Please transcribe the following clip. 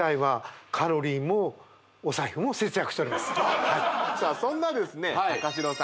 これさあそんなですね高城さん